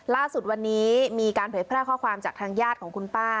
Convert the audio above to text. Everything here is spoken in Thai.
ล่าสุดวันนี้มีการเผยแพร่ข้อความจากทางญาติของคุณป้า